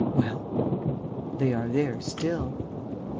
"Well?" "They are there still."